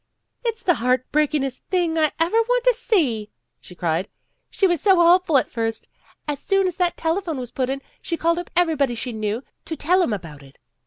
'' It 's the heart breakingest thing I ever want to see," she cried. "She was so hopeful at first. As soon as that telephone was put in, she called up everybody she knew, to tell 'em about it.